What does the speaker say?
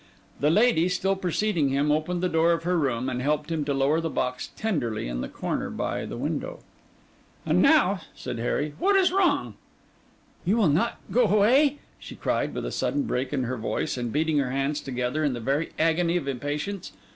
The lady, still preceding him, opened the door of her room, and helped him to lower the box tenderly in the corner by the window. 'And now,' said Harry, 'what is wrong?' 'You will not go away?' she cried, with a sudden break in her voice and beating her hands together in the very agony of impatience.